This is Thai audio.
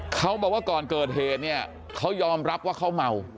เขาบอกว่าก่อนเกิดเหตุเนี่ยเขายอมรับว่าเขาเมา